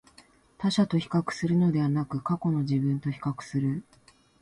他者と比較するのではなく、過去の自分と比較する